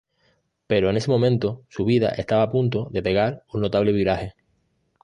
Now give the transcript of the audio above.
Pero en ese momento, su vida estaba a punto de pegar un notable viraje.